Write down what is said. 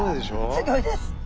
すギョいです。